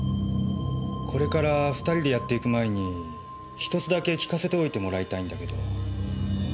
これから２人でやっていく前に１つだけ聞かせておいてもらいたいんだけど。